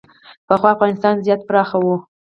پخوا افغانستان زیات پراخ و